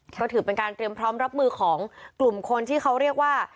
เพราะถือเป็นการเตรียมพร้อมรับมือของกลุ่มคนที่เขาเรียกว่า